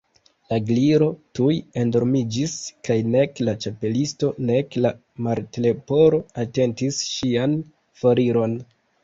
La Gliro tuj endormiĝis; kaj nek la Ĉapelisto nek la Martleporo atentis ŝian foriron.